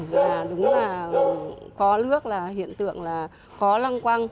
cái cảnh là đúng là khó lước hiện tượng là khó lăng quang